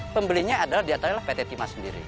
pembelinya adalah di antara pt timah sendiri